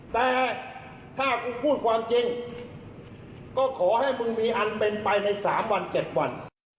แต่ถ้ากูพูดความจริงก็ขอให้มึงมีอันเป็นไปใน๓วัน๗วัน